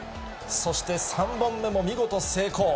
そして３本目も見事成功。